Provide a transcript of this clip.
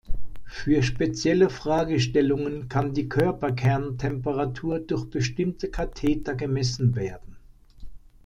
Für spezielle Fragestellungen kann die Körperkerntemperatur durch bestimmte Katheter gemessen werden.